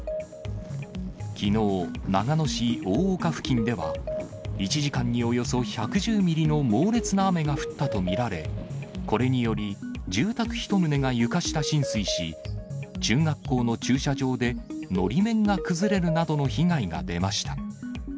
きのう、長野市大岡付近では、１時間におよそ１１０ミリの猛烈な雨が降ったと見られ、これにより、住宅１棟が床下浸水し、中学校の駐車場でのり面が崩れるなどの被害が出ました。